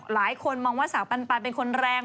หลายคนมองว่าสาวปันเป็นคนแรง